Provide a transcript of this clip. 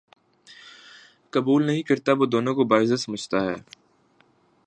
قبول نہیں کرتا وہ دونوں کو باعزت سمجھتا ہے